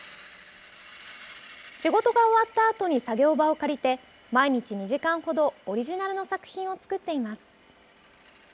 仕事が終わったあとに作業場を借りて毎日２時間ほどオリジナルの作品を作っています。